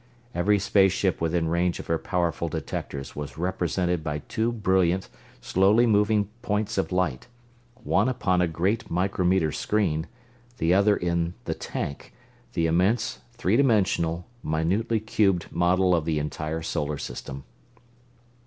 Every space ship within range of her powerful detectors was represented by two brilliant, slowly moving points of light; one upon a great micrometer screen, the other in the "tank" the immense, three dimensional, minutely cubed model of the entire Solar System.